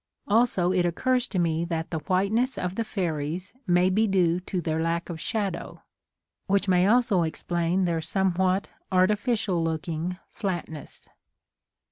Also it occurs to me that the whiteness of the fairies may be due to their lack of shadow, which may also explain their somewhat artificial Jooking flatness.